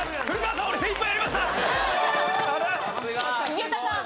井桁さん。